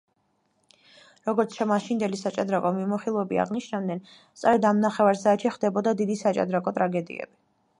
როგორც მაშინდელი საჭადრაკო მიმომხილველები აღნიშნავდნენ სწორედ ამ ნახევარ საათში ხდებოდა „დიდი საჭდრაკო ტრაგედიები“.